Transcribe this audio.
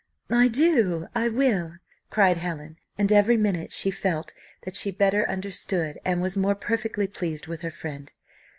"I do, I will," cried Helen; and every minute she felt that she better understood and was more perfectly pleased with her friend.